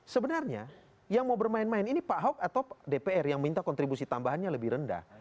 sebenarnya yang mau bermain main ini pak ahok atau dpr yang minta kontribusi tambahannya lebih rendah